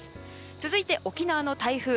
続いて沖縄の台風。